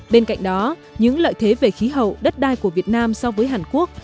bên cạnh đó những lợi thế về khí hậu đất đai của việt nam so với hàn quốc